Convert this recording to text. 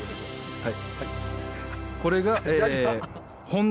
はい。